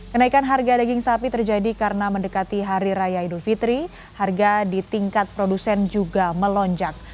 kenaikan harga daging sapi terjadi karena mendekati hari raya idul fitri harga di tingkat produsen juga melonjak